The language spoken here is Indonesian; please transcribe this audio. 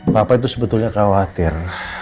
bapak itu sebetulnya khawatir